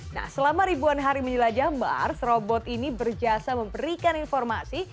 nah selama ribuan hari menjelajah mars robot ini berjasa memberikan informasi